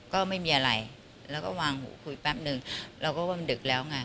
ก็ไม่มีอะไรแล้วก็วางหูคุยแป๊บนึงเราก็ว่ามันดึกแล้วไง